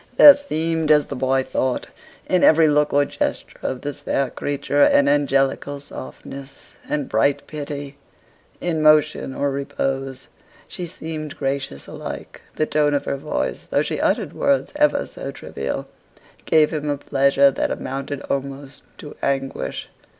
There seemed, as the boy thought, in every look or gesture of this fair creature, an angelical softness and bright pity in motion or repose she seemed gracious alike; the tone of her voice, though she uttered words ever so trivial, gave him a pleasure that amounted almost to anguish.